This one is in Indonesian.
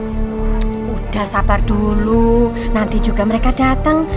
sudah sabar dulu nanti juga mereka datang